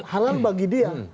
halal bagi dia